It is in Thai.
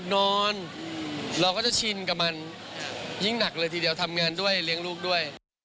นอนเราก็จะชินกับมันยิ่งหนักเลยทีเดียวทำงานด้วยเลี้ยงลูกด้วย